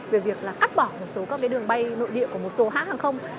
về việc là cắt bỏ một số các cái đường bay nội địa của một số hãng không